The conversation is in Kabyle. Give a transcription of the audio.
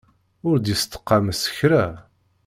Ur d-yestqam s kra.